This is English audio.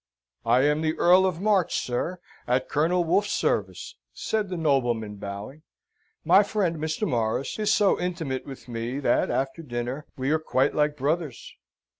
"I am the Earl of March, sir, at Colonel Wolfe's service," said the nobleman, bowing. "My friend, Mr. Morris, is so intimate with me, that, after dinner, we are quite like brothers."